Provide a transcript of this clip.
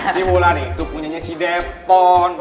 si wulan itu punya si depon